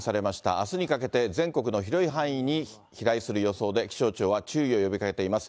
あすにかけて全国の広い範囲に飛来する予想で、気象庁は注意を呼びかけています。